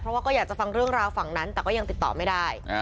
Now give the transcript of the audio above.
เพราะว่าก็อยากจะฟังเรื่องราวฝั่งนั้นแต่ก็ยังติดต่อไม่ได้